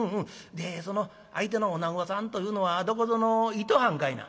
でその相手のおなごさんというのはどこぞのいとはんかいな？」。